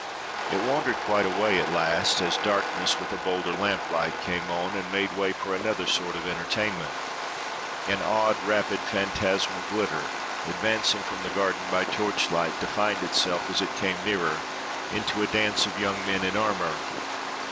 It wandered quite away at last, as darkness with a bolder lamplight came on, and made way for another sort of entertainment. An odd, rapid, phantasmal glitter, advancing from the garden by torchlight, defined itself, as it came nearer, into a dance of young men in armour.